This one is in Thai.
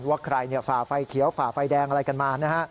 ว่าใครฝ่าไฟเขียวฝ่าไฟแดงอะไรกันมานะฮะ